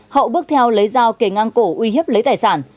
hậu bước theo lấy dao kề ngang cổ uy hiếp lấy tài sản